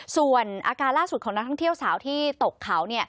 ส่วนอาการล่าสุดของนักท่องเที่ยวสาวที่ตกเขา